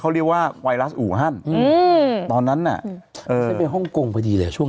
เมื่อป่ะข้ามมาช่วง